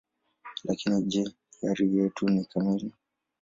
Lakini je, hiari yetu ni kamili?